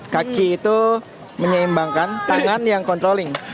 kaki itu menyeimbangkan tangan yang controlling